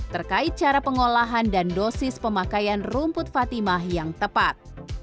terkait cara pengolahan dan dosis pemakaian rumput fatimah yang tepat